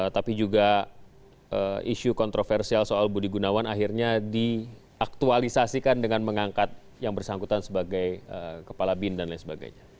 tapi juga isu kontroversial soal budi gunawan akhirnya diaktualisasikan dengan mengangkat yang bersangkutan sebagai kepala bin dan lain sebagainya